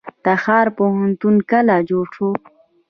تخار پوهنتون کله جوړ شو؟